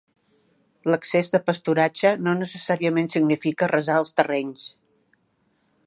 L'excés de pasturatge no necessàriament significa arrasar els terrenys.